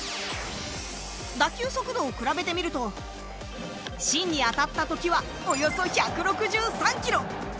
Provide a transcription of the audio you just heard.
打球速度を比べてみると、芯に当たった時は、およそ１６３ｋｍ。